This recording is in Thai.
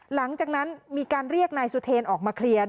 หลังจากนั้นมีการเรียกนายสุเทนออกมาเคลียร์